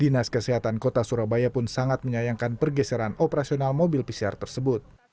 dinas kesehatan kota surabaya pun sangat menyayangkan pergeseran operasional mobil pcr tersebut